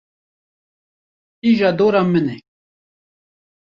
Îja dor a min e.